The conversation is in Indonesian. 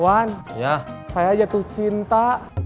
wan saya jatuh cinta